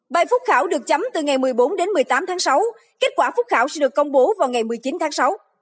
bài phúc khảo được chấm từ ngày một mươi bốn đến một mươi tám tháng sáu kết quả phúc khảo sẽ được công bố vào ngày một mươi chín tháng sáu